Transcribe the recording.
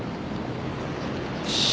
よし。